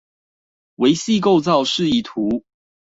微細構造示意圖